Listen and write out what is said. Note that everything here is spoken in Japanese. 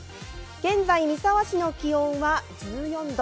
現在、三沢市の気温は１４度。